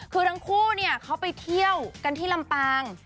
คือทั้งคู่เขาไปเที่ยวกันที่ลำปาง